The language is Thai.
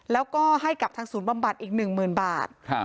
แล้วก็ให้กับทางศูนย์บำบัดอีก๑๐๐๐บาท